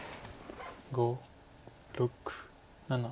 ５６７。